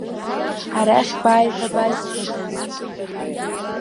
Арахь бааи ҳәа базҳәадаз?